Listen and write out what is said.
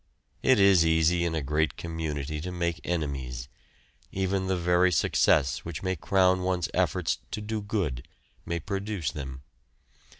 It is easy in a great community to make enemies. Even the very success which may crown one's efforts to do good may produce them.